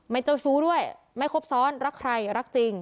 เจ้าชู้ด้วยไม่ครบซ้อนรักใครรักจริง